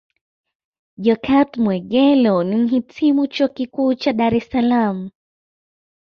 Jokate Mwegelo ni Mhitimu Chuo Kikuu cha Dar Es Salaam